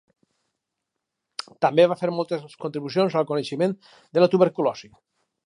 També va fer moltes contribucions al coneixement de la tuberculosi.